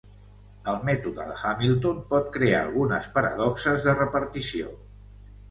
El mètode de Hamilton pot crear algunes paradoxes de repartició.